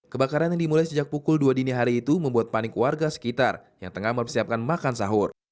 kebakaran yang dimulai sejak pukul dua dini hari itu membuat panik warga sekitar yang tengah mempersiapkan makan sahur